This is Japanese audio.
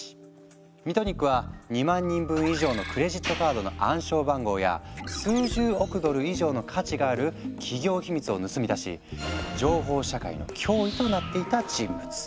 ミトニックは２万人分以上のクレジットカードの暗証番号や数十億ドル以上の価値がある企業秘密を盗み出し「情報社会の脅威」となっていた人物。